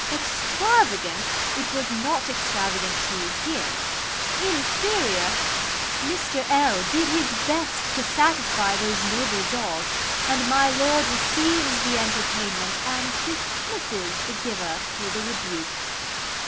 Extravagant! it was not extravagant to HIM; Inferior! Mr. L did his best to satisfy those noble jaws, and my lord receives the entertainment, and dismisses the giver with a rebuke.